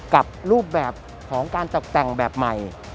กับรูปแบบของการตกแต่งแบบใหม่